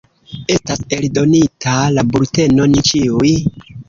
Estas eldonita la bulteno Ni ĉiuj.